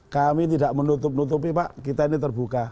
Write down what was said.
kami tidak menutup nutupi pak kita ini terbuka